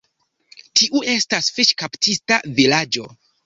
Tiu estas fiŝkaptista vilaĝo.